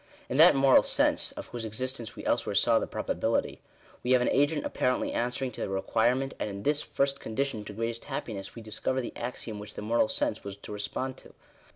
In that Moral Sense, of whose existence we elsewhere saw the probability, we have an agent apparently answering to the requirement; and in this first condition to greatest happi ness, we discover the axiom which the Moral Sense was to respond to.